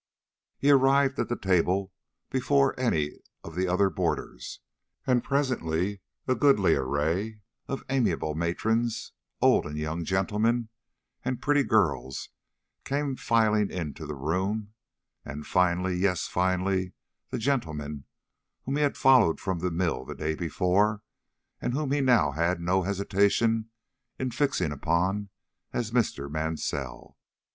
He arrived at the table before any of the other boarders, and presently a goodly array of amiable matrons, old and young gentlemen, and pretty girls came filing into the room, and finally yes, finally the gentleman whom he had followed from the mill the day before, and whom he now had no hesitation in fixing upon as Mr. Mansell.